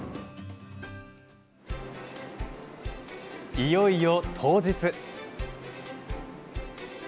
いよいよ当日。